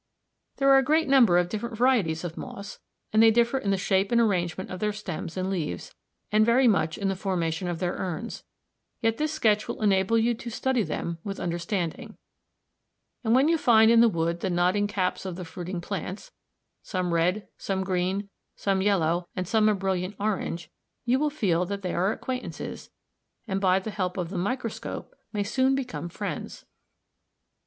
There are a great number of different varieties of moss, and they differ in the shape and arrangement of their stems and leaves, and very much in the formation of their urns, yet this sketch will enable you to study them with understanding, and when you find in the wood the nodding caps of the fruiting plants, some red, some green, some yellow, and some a brilliant orange, you will feel that they are acquaintances, and by the help of the microscope may soon become friends.